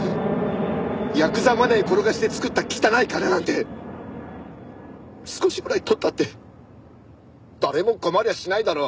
ヤクザマネー転がして作った汚い金なんて少しぐらい取ったって誰も困りゃしないだろう。